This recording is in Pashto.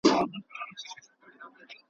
د رویبار لاري سوې بندي زېری نه راځي جانانه ,